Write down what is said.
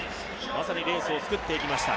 まさにレースを作っていきました。